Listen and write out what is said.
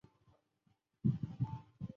它也是世界上人口第二多的一级行政区。